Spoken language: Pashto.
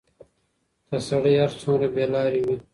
که سړى هر څومره بېلارې وي،